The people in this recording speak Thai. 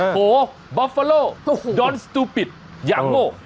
โหบอฟฟาโลดอนสตูปิดอย่างโง่